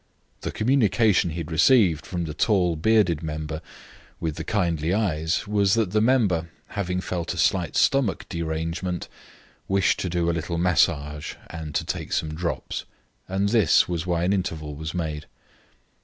The communication he had received from the tall, bearded member with the kindly eyes was that the member, having felt a slight stomach derangement, wished to do a little massage and to take some drops. And this was why an interval was made.